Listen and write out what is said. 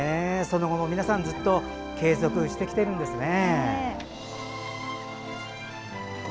その後も皆さんずっと継続してきているんですね。